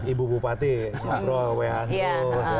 ibu bupati bro wehanto